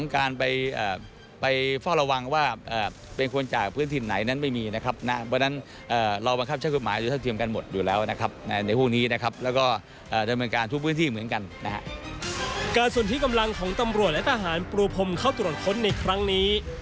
การส่วนที่กำลังของตำรวจและทหารปูพรมเข้าตรวจค้นในครั้งนี้